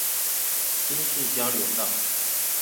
新市交流道